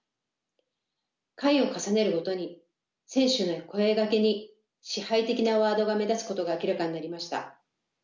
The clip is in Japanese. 回を重ねるごとに選手への声掛けに支配的なワードが目立つことが明らかになりました。